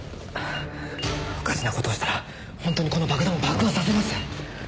おかしな事をしたら本当にこの爆弾を爆破させます。